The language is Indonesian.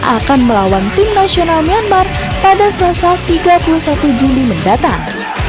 akan melawan timnasional myanmar pada selesai tiga puluh satu juli mendatang